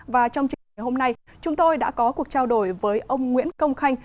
và trong chương trình hôm nay chúng tôi đã có cuộc trao đổi với ông nguyễn công khanh